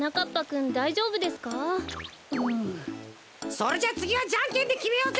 それじゃつぎはじゃんけんできめようぜ！